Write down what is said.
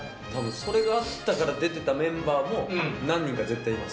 それがあったから出てたメンバーも何人か絶対います。